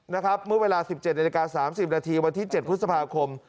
เมื่อเวลา๑๗นาฬิกา๓๐นาทีวันที่๗พฤษภาคม